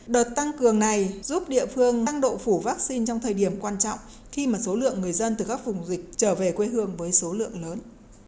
đợt tăng cường này giúp địa phương tăng độ phủ vaccine trong thời điểm quan trọng khi mà số lượng người dân từ các vùng dịch trở về quê hương với số lượng lớn